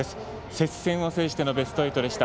接戦を制してのベスト８でした。